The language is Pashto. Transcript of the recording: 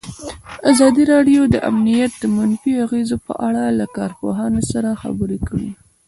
ازادي راډیو د امنیت د منفي اغېزو په اړه له کارپوهانو سره خبرې کړي.